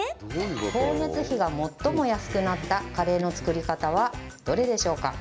光熱費が最も安くなったカレーの作り方はどれでしょうか。